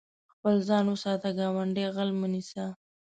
خپل ځان وساته، ګاونډی غل مه نيسه.